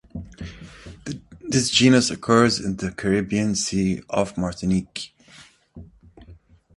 This genus occurs in the Caribbean Sea off Martinique.